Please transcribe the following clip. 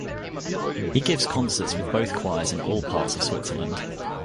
He gives concerts with both choirs in all parts of Switzerland.